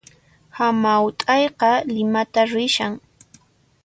Hamaut'ayqa Limata rishan